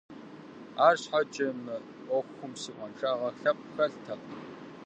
АрщхьэкӀэ, мы Ӏуэхум си къуаншагъэ лъэпкъ хэлътэкъым.